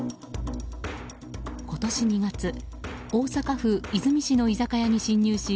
今年２月大阪府和泉市の居酒屋に侵入し